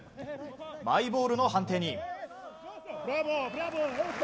マイボールの判定に。